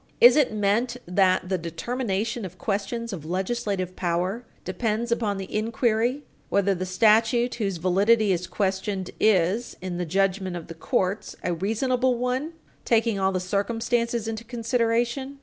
Is it meant that the determination of questions of legislative power depends upon the inquiry whether the statute whose validity is questioned is, in the judgment of the courts, a reasonable one, taking all the circumstances into consideration?